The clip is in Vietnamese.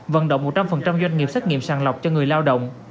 vận động một trăm linh doanh nghiệp xét nghiệm sàng lọc cho người lao động